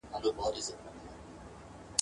ارغوان او هر ډول ښکلیو ..